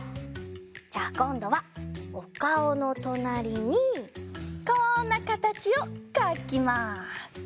じゃあこんどはおかおのとなりにこんなかたちをかきます。